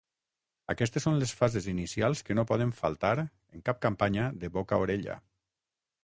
Aquestes són les fases inicials que no poden faltar en cap campanya de boca-orella.